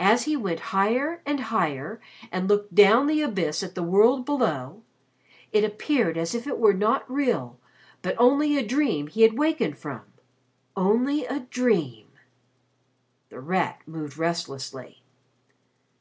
As he went higher and higher, and looked down the abyss at the world below, it appeared as if it were not real but only a dream he had wakened from only a dream." The Rat moved restlessly.